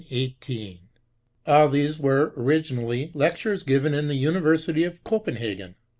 Ibid: 1818. All these were, originally, lectures given in the University of Copenhagen.